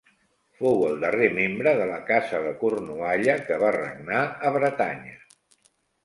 Fou el darrer membre de la casa de Cornualla que va regnar a Bretanya.